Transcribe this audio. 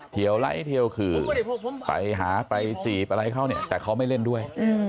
ไลค์เทียวขื่อไปหาไปจีบอะไรเขาเนี่ยแต่เขาไม่เล่นด้วย